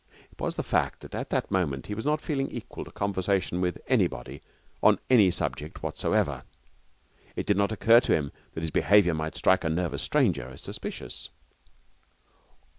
It was the fact that at that moment he was not feeling equal to conversation with anybody on any subject whatsoever. It did not occur to him that his behaviour might strike a nervous stranger as suspicious.